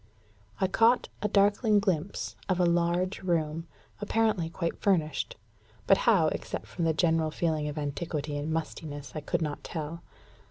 I caught a darkling glimpse of a large room, apparently quite furnished; but how, except from the general feeling of antiquity and mustiness, I could not tell.